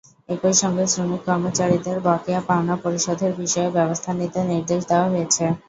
একই সঙ্গে শ্রমিক-কর্মচারীদের বকেয়া পাওনা পরিশোধের বিষয়েও ব্যবস্থা নিতে নির্দেশ দেওয়া হয়েছে।